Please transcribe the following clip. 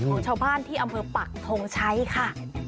ของชาวบ้านที่อำเภอปักทงชัยค่ะ